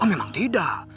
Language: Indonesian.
oh memang tidak